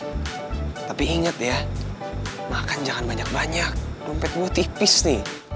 eh dom tapi inget ya makan jangan banyak banyak dompet lo tipis nih